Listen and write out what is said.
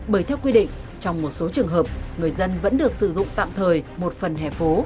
bởi theo quy định trong một số trường hợp người dân vẫn được sử dụng tạm thời một phần hẻ phố